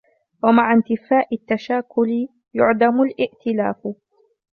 وَمَعَ انْتِفَاءِ التَّشَاكُلِ يُعْدَمُ الِائْتِلَافُ